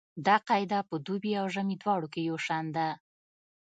دا قاعده په دوبي او ژمي دواړو کې یو شان ده